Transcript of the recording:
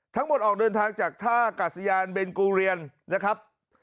ออกเดินทางจากท่ากาศยานเบนกูเรียนนะครับ